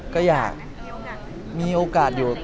ก็อยากมีโอกาสอยู่